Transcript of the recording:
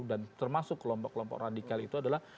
dan termasuk kelompok kelompok radikal itu adalah